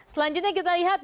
selanjutnya kita lihat